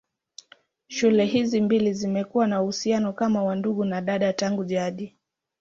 Shule hizi mbili zimekuwa na uhusiano kama wa ndugu na dada tangu jadi.